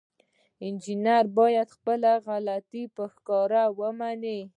انجینر باید خپله غلطي په ښکاره ومني.